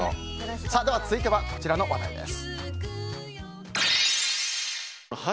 続いてはこちらの話題です。